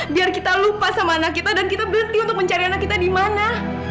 biar kita lupa sama anak kita dan kita berhenti untuk mencari anak kita di mana